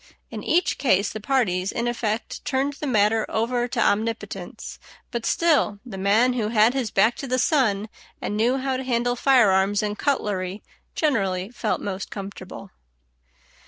In each case the parties in effect turned the matter over to Omnipotence; but still the man who had his back to the sun, and knew how to handle firearms and cutlery, generally felt most comfortable.